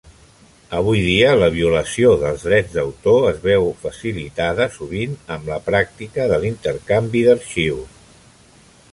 Avui dia la violació dels drets d'autor es veu facilitada sovint amb la pràctica de l'intercanvi d'arxius.